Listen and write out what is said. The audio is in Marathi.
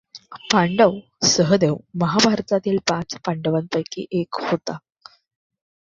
पांडव सहदेव महाभारतातील पाच पांडवांपैकी एक होता.